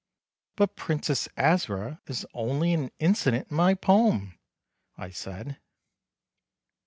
"But Princess Asra is only an incident in my poem," I said.